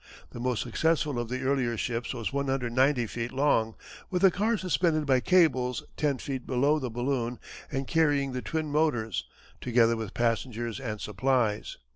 The most successful of the earlier ships was 190 feet long, with a car suspended by cables ten feet below the balloon and carrying the twin motors, together with passengers and supplies.